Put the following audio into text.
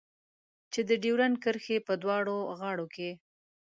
چې د ډيورنډ کرښې په دواړو غاړو کې.